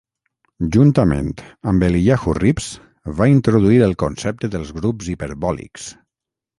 Juntament amb Eliyahu Rips va introduir el concepte dels grups hiperbòlics.